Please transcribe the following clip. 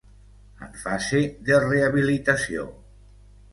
En fase de rehabilitació.